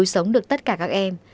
tôi đã cứu sống được tất cả các em